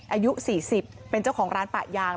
อายุ๔๐เป็นเจ้าของร้านปะยาง